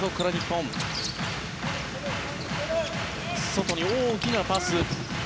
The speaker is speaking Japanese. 外に大きなパス。